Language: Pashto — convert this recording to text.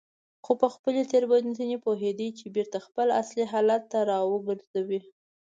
خو په خپلې تېروتنې پوهېدو یې بېرته خپل اصلي حالت ته راوګرځاوه.